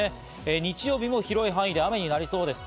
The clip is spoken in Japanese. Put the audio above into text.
日曜日も広い範囲で雨になりそうです。